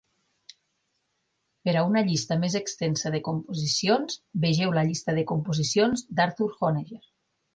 Per a una llista més extensa de composicions, vegeu la llista de composicions d'Arthur Honegger.